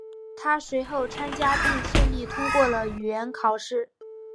他随后参加并顺利通过了语言考试。